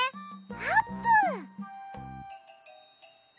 あーぷん！